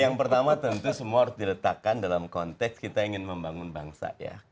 yang pertama tentu semua harus diletakkan dalam konteks kita ingin membangun bangsa ya